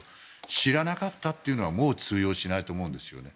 知らなかったというのは、もう通用しないと思うんですよね。